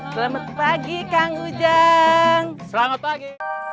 selamat pagi kang ujang selamat pagi